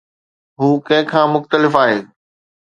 هو ڪنهن کان مختلف آهي